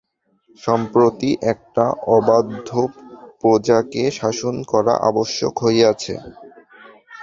সম্প্রতি একটা অবাধ্য প্রজাকে শাসন করা আবশ্যক হইয়াছে।